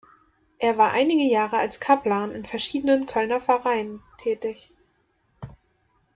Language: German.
Er war einige Jahre als Kaplan in verschiedenen Kölner Pfarreien tätig.